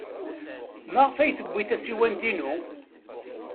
Maɣef ay tewwi tasiwant-inu?